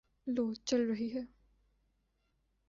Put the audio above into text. لوُ چل رہی ہے